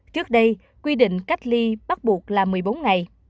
trước đây quy định cách ly bắt buộc là một mươi bốn ngày